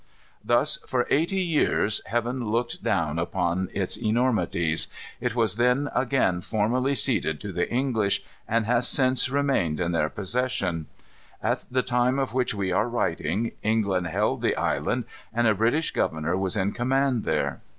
Thus for eighty years Heaven looked down upon its enormities. It was then again formally ceded to the English, and has since remained in their possession. At the time of which we are writing, England held the island, and a British governor was in command there.